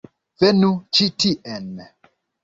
Venu ĉi tien!